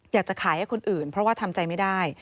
อยากจะขายให้คนอื่นเพราะว่าทำใจไม่ได้